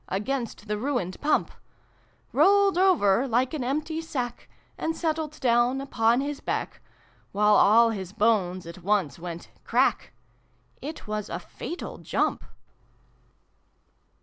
Against the ruined Pump : Rolled over like an empty sack, And settled down upon his back, While all his bones at once went ' Crack !' It was a fatal jump.